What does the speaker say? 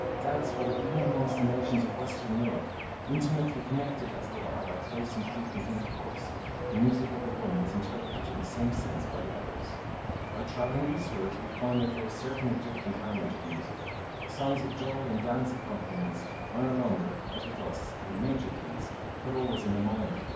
"doubts whether even amongst the nations of Western Europe, intimately connected as they are by close and frequent intercourse, the music of the one is interpreted in the same sense by the others. By travelling eastwards we find that there is certainly a different language of music. Songs of joy and dance accompaniments are no longer, as with us, in the major keys, but always in the minor."